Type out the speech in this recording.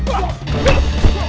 duh duh duh